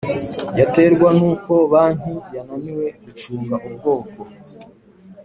Yaterwa n uko banki yananiwe gucunga ubwoko